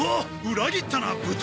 裏切ったなブタ！